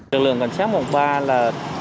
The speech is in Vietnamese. lực lượng cảnh sát một mươi ba là